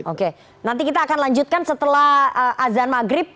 oke nanti kita akan lanjutkan setelah azan maghrib